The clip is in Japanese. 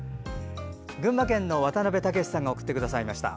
群馬県の渡辺健さんが送ってくださいました。